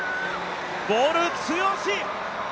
ボル強し！